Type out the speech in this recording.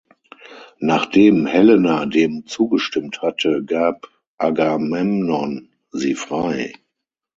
Nachdem Helena dem zugestimmt hatte, gab Agamemnon sie frei.